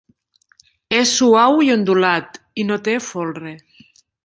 És suau i ondulat, i no té folre.